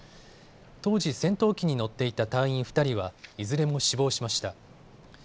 当時、戦闘機に乗っていた隊員２人はいずれも死亡しました。